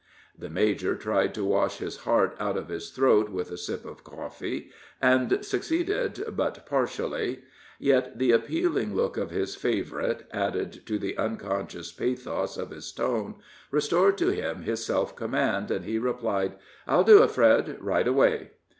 The major tried to wash his heart out of his throat with a sip of coffee, and succeeded but partially; yet the appealing look of his favorite, added to the unconscious pathos of his tone, restored to him his self command, and he replied: "I'll do it, Fred, right away."